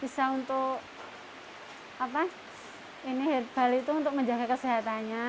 bisa untuk apa ini herbal itu untuk menjaga kesehatannya